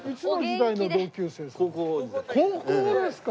高校ですか。